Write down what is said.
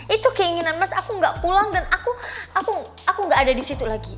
itu keinginan mas aku gak pulang dan aku gak ada disitu lagi